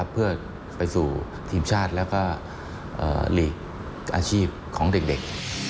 เพื่อไปสู่ทีมชาติแล้วก็หลีกอาชีพของเด็ก